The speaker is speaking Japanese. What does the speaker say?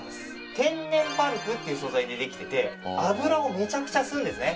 天然パルプっていう素材でできていて油をめちゃくちゃ吸うんですね。